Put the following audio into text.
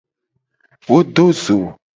Wo do zo.